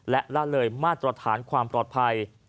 และละเลยมาตรฐานความปลอดภัย